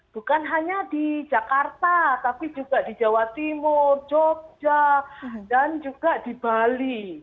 bukan hanya di jakarta tapi juga di jawa timur jogja dan juga di bali